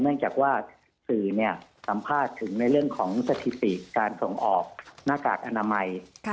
เนื่องจากว่าสื่อสัมภาษณ์ถึงในเรื่องของสถิติการส่งออกหน้ากากอนามัย